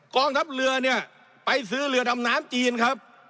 กองทัพเรือเนี่ยไปซื้อเรือดำน้ำจีนครับ